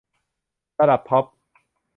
ระดับท็อป